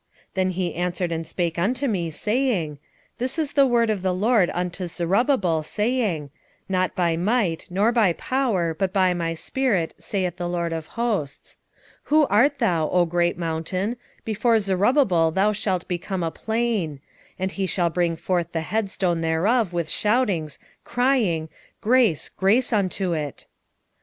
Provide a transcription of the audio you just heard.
4:6 Then he answered and spake unto me, saying, This is the word of the LORD unto Zerubbabel, saying, Not by might, nor by power, but by my spirit, saith the LORD of hosts. 4:7 Who art thou, O great mountain? before Zerubbabel thou shalt become a plain: and he shall bring forth the headstone thereof with shoutings, crying, Grace, grace unto it.